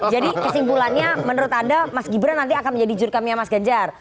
jadi kesimpulannya menurut anda mas gibran nanti akan menjadi jurkamnya mas ganjar